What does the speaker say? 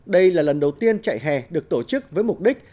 đây là lần đầu tiên chạy hè được tổ chức với mục đích